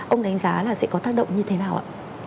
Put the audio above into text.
ông đánh giá là sẽ có tác động như thế nào ạ